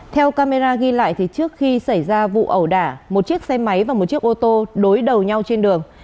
theo camera ghi lại trước khi xảy ra vụ ẩu đả một chiếc xe máy và một chiếc ô tô đối đầu nhau trên đường